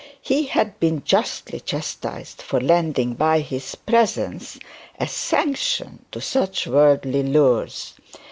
He had been justly chastised for lending, by his presence, a sanction to such worldly lures.